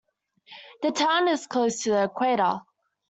The town is close to the Equator.